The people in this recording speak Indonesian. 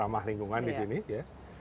ramah lingkungan di sini ya